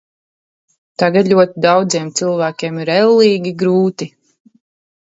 Tagad ļoti daudziem cilvēkiem ir ellīgi grūti.